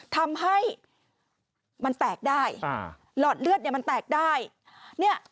ทำให้มันแตกได้หลอดเลือดมันแตกได้